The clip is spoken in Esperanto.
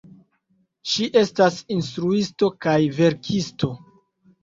Ŝi estas instruisto kaj verkisto.